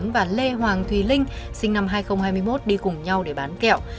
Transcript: và lê hoàng thùy linh sinh năm hai nghìn hai mươi một đi cùng nhau để bán kẹo